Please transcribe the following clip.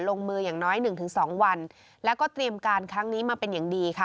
ลงมือยังน้อย๑๒วันและก็เตรียมการครั้งนี้มาเป็นอย่าง